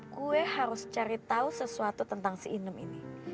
gue harus cari tahu sesuatu tentang si inem ini